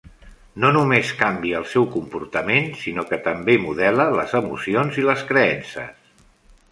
No només canvia el seu comportament, sinó que també modela les emocions i les creences.